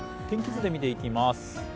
天気図で見ていきます。